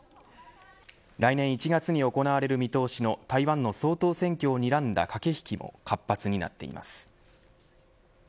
来年１月に行われる見通しの台湾の総統選挙をにらんだ駆け引きも活発になっています。